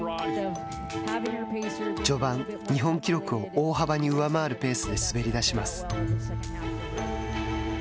序盤、日本記録を大幅に上回るペースで滑り出します。